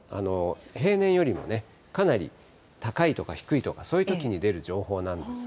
平年よりもかなり高いとか、低いとか、そういうときに出る情報なんですが。